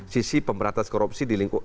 sisi pemberantas korupsi di lingkungan